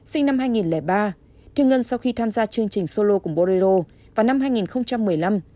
sinh năm hai nghìn ba thương ngân sau khi tham gia chương trình solo cùng borelo vào năm hai nghìn một mươi năm